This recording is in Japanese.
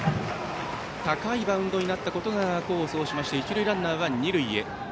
高いバウンドになったことが功を奏しまして一塁ランナーは二塁へ。